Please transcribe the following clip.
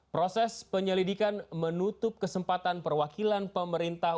proses penyelidikan menutup kesempatan perwakilan pemerintah